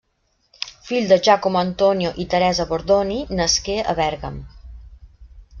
Fil de Giacomo Antonio i Teresa Bordoni, nasqué a Bèrgam.